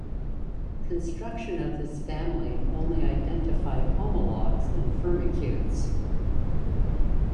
Construction of this family only identified homologues in Firmicutes.